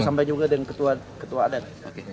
sampai juga dengan ketua adat